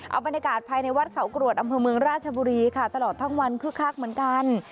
เอาบรรยากาศภายในวัดเขากรวดอำเภอเมืองราชบุรีค่ะตลอดทั้งวันคึกคักเหมือนกัน